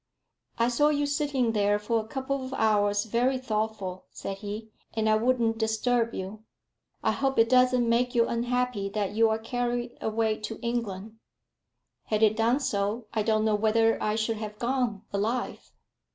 "I saw you sitting there for a couple of hours very thoughtful," said he, "and I wouldn't disturb you. I hope it doesn't make you unhappy that you are carried away to England?" "Had it done so, I don't know whether I should have gone alive."